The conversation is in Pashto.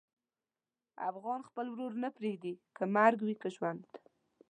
افغان خپل ورور نه پرېږدي، که مرګ وي که ژوند.